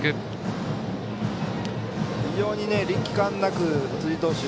非常に力感なく、辻投手。